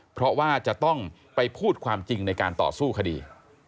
เพราะว่าจะต้องไปพูดความจริงในการต่อสู้คดี